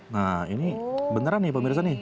nah ini beneran nih pemirsa nih